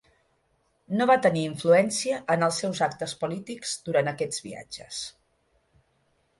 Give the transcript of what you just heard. No va tenir influència en els seus actes polítics durant aquests viatges.